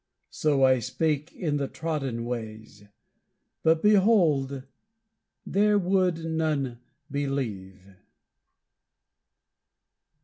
So I spake in the trodden ways; but behold, there would none believe!